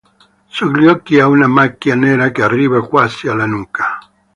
Sugli occhi ha una macchia nera che arriva quasi alla nuca.